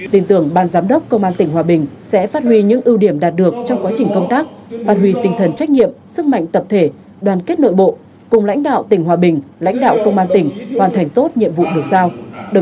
tin tưởng ban giám đốc công an tỉnh hòa bình sẽ phát huy những ưu điểm đạt được trong quá trình công tác phát huy tinh thần trách nhiệm sức mạnh tập thể đoàn kết nội bộ cùng lãnh đạo tỉnh hòa bình lãnh đạo công an tỉnh hoàn thành tốt nhiệm vụ được giao